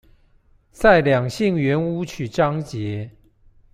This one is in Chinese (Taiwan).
在兩性圓舞曲章節